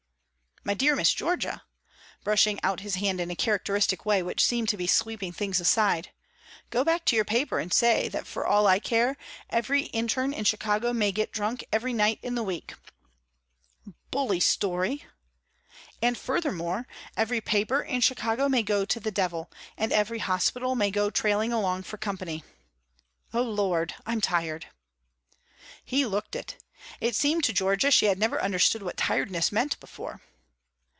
"My dear Miss Georgia," brushing out his hand in a characteristic way which seemed to be sweeping things aside "go back to your paper and say that for all I care every intern in Chicago may get drunk every night in the week." "Bully story!" "And furthermore, every paper in Chicago may go to the devil, and every hospital may go trailing along for company. Oh Lord I'm tired." He looked it. It seemed to Georgia she had never understood what tiredness meant before.